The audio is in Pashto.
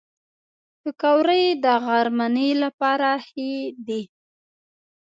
پکورې د غرمنۍ لپاره ښه دي